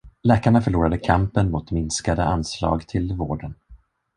Läkarna förlorade kampen mot minskade anslag till vården.